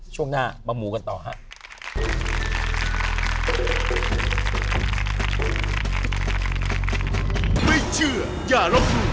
ช่วงหน้ามาหมูกันต่อครับ